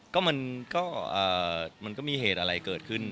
ก็มันก็มีเหตุอะไรเกิดขึ้น